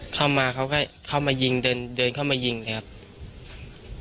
เข้ามาเขาก็เข้ามายิงเดินเดินเข้ามายิงเลยครับ